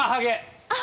あっ！